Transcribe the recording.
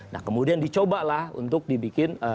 nah kemudian dicobalah untuk dibikin